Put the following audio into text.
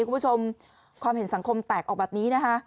คุณผู้ชมความเห็นสังคมแตกออกแบบนี้นะคะ